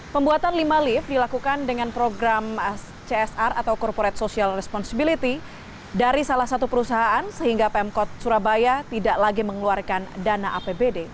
pembuatan lima lift dilakukan dengan program csr atau corporate social responsibility dari salah satu perusahaan sehingga pemkot surabaya tidak lagi mengeluarkan dana apbd